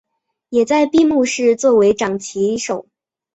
也在闭幕式作为掌旗手。